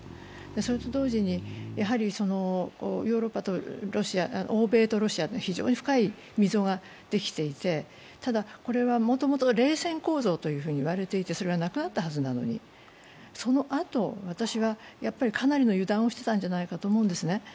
それと同時に欧米とロシア、非常に深い溝ができていてただ、これはもともと冷戦構造と言われていてそれはなくなったはずなのに、そのあと、かなりの油断をしてたんじゃないかと思うんですね。